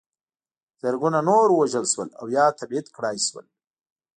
زرګونه نور ووژل شول او یا تبعید کړای شول.